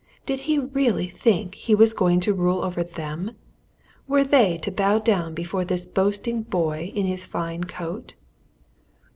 Did he really think he was going to rule over them? Were they to bow down before this boasting boy in his fine coat?